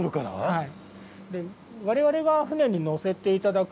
はい。